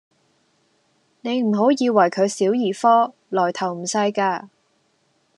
你唔好以為佢小兒科，來頭唔細架